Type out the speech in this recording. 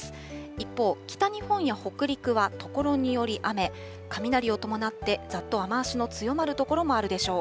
一方、北日本や北陸はところにより雨、雷を伴って、ざっと雨足の強まる所もあるでしょう。